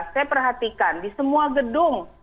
saya perhatikan di semua gedung